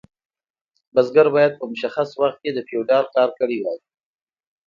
بزګر باید په مشخص وخت کې د فیوډال کار کړی وای.